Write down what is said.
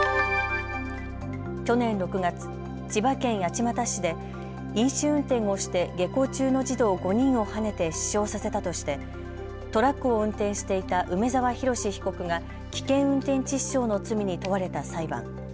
去年６月、千葉県八街市で飲酒運転をして下校中の児童５人をはねて死傷させたとしてトラックを運転していた梅澤洋被告が危険運転致死傷の罪に問われた裁判。